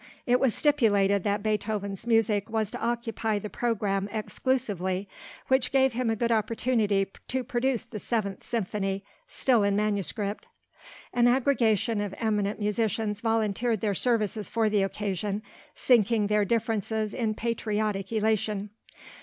It was stipulated that Beethoven's music was to occupy the programme exclusively, which gave him a good opportunity to produce the Seventh Symphony, still in manuscript. An aggregation of eminent musicians volunteered their services for the occasion, sinking their differences in patriotic elation.